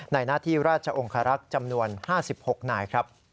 ในหน้าที่ราชองครรักจำนวน๕๖นาย